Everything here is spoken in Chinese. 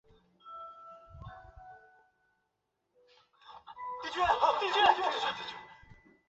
弗拉迪什镇是葡萄牙贝雅区的一个堂区。